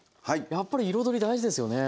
やっぱり彩り大事ですよね。